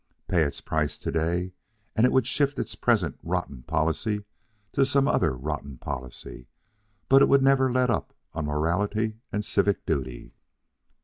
Pay its price to day, and it would shift its present rotten policy to some other rotten policy; but it would never let up on morality and civic duty.